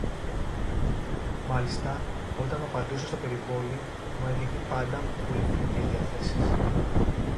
Μάλιστα όταν μ' απαντούσε στο περιβόλι, μου έδειχνε πάντα πολύ φιλικές διαθέσεις